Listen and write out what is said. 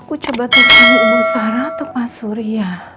aku coba tekanin ibu sarah atau pak surya